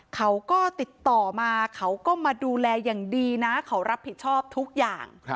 เขาก็ติดต่อมาเขาก็มาดูแลอย่างดีนะเขารับผิดชอบทุกอย่าง